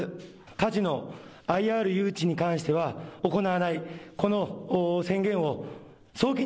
カジノＩＲ誘致に関しては行わない。